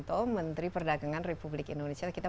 tetap mengabating ke